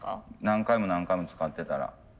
何回も何回も使ってたら。